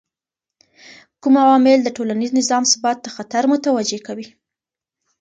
کوم عوامل د ټولنیز نظم ثبات ته خطر متوجه کوي؟